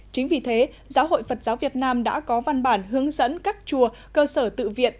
chính vì thế giáo hội phật giáo việt nam đã có văn bản hướng dẫn các chùa cơ sở tự viện